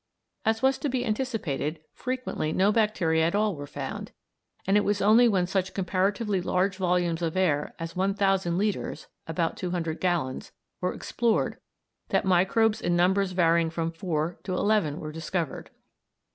As was to be anticipated, frequently no bacteria at all were found, and it was only when such comparatively large volumes of air as one thousand litres (about 200 gallons) were explored that microbes in numbers varying from four to eleven were discovered.